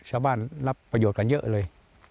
รับประโยชน์กันเยอะเลย